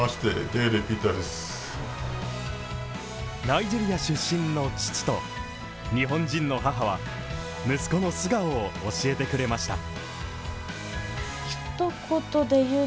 ナイジェリア出身の父と、日本人の母は息子の素顔を教えてくれました。